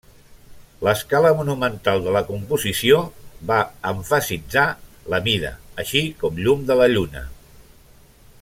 L'escala monumental de la composició va emfasitzar la mida, així com llum de la lluna.